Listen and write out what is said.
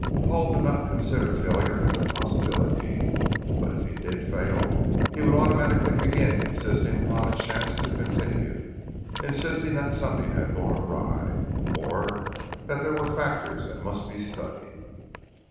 Paul did not consider failure as a possibility, but if he did fail, he would automatically begin insisting upon a chance to continue, insisting that something had gone awry, or that there were factors that must be studied.